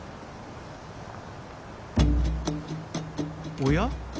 おや？